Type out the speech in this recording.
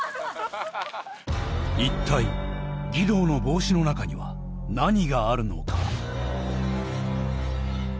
一体儀藤の帽子の中には何があるのか？